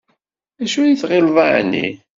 D acu ay tɣileḍ ɛni?